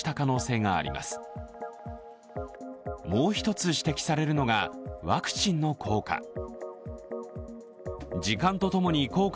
もう一つ指摘されるのが、ワクチンの効果。